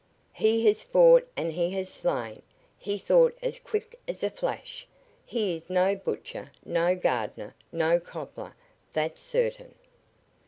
"He has fought and he has slain," he thought as quick as a flash, "He is no butcher, no gardener, no cobbler. That's certain!"